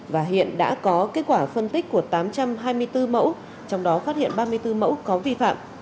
và hiện đã có kết quả phân tích của tám trăm hai mươi bốn mẫu trong đó phát hiện ba mươi bốn mẫu có vi phạm